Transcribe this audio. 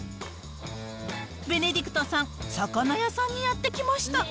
ベネディクトさん、魚屋さんにやって来ました。